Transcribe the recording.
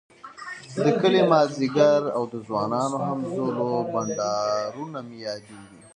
د کلي ماذيګر او د ځوانانو همزولو بنډارونه مي ياديږی